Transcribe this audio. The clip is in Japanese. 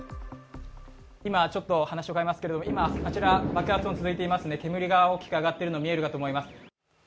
今、ちょっと話を変えますけれども、あちら、爆発が続いていますので、煙が大きく上がっているのが見えるかと思います。